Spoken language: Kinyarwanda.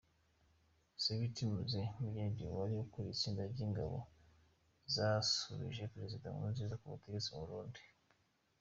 Sabiti Mzee Mugyenyi wari ukuriye itsinda ry’Ingabo zasubije Perezida Nkurunziza kubutegetsi mu Burundi